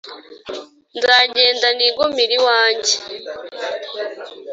Nzagenda nigumire iwanjye